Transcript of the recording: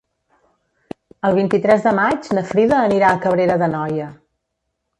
El vint-i-tres de maig na Frida anirà a Cabrera d'Anoia.